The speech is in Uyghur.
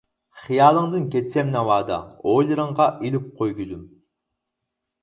خىيالىڭدىن كەچسەم ناۋادا، ئويلىرىڭغا ئېلىپ قوي گۈلۈم.